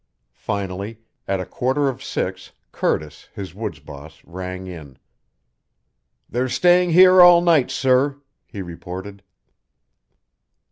Finally, at a quarter of six, Curtis, his woods boss rang in. "They're staying here all night, sir," he reported.